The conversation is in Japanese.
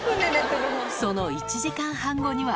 その１時間半後には。